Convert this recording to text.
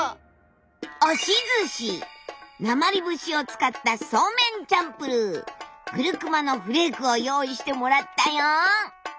押しずしなまり節を使ったソーメンチャンプルーグルクマのフレークを用意してもらったよ。